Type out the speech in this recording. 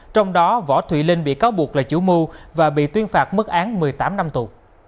trong đó võ thùy linh bị cáo buộc là chủ mưu và bị tuyên phạt mức án một mươi tám năm tù